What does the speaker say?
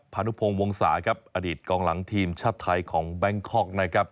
พานุพงศ์วงศาครับอดีตกองหลังทีมชาติไทยของแบงคอกนะครับ